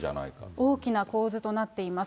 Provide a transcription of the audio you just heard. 大きな構図となっています。